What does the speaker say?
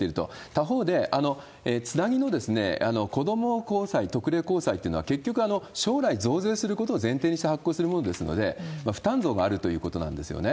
他方で、つなぎの子ども公債、特例公債っていうのは、結局、将来増税することを前提にして発行するものですので、負担増があるということなんですよね。